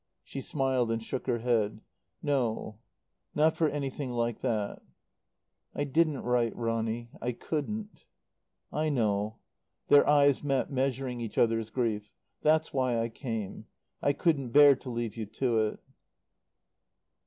She smiled and shook her head. "No. Not for anything like that." "I didn't write, Ronny. I couldn't." "I know." Their eyes met, measuring each other's grief. "That's why I came. I couldn't bear to leave you to it."